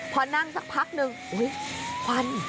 พอนั่งสักพักหนึ่งอุ๊ยควัน